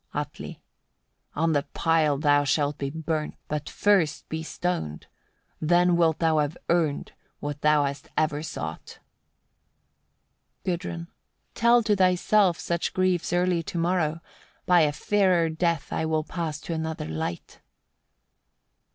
Atli. 84. On the pile thou shalt be burnt, but first be stoned; then wilt thou have earned what thou hast ever sought. Gudrun. 85. Tell to thyself such griefs early to morrow: by a fairer death I will pass to another light.